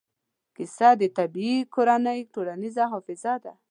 کیسه د طبعي کورنۍ ټولنیزه حافظه ده.